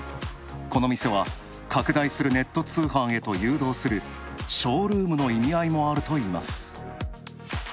この店は、拡大するネット通販へと誘導するショールームの意味合いもあるといいます。